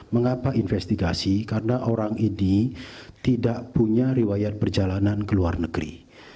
mengapa investigasi karena orang ini tidak punya riwayat perjalanan ke luar negeri